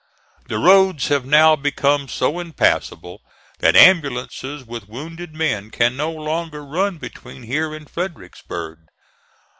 The roads have now become so impassable that ambulances with wounded men can no longer run between here and Fredericksburg.